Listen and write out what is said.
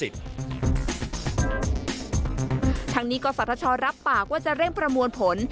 ทางนี้กศชรับปากว่าจะเร่งประมวลผล